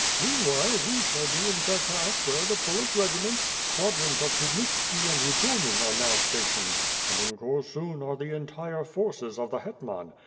Meanwhile, we shall be in Cherkass where the Polish regiments, squadrons of Pivnitski and Rudomin are now stationed. And in Korsun are the entire forces of 'the hetman.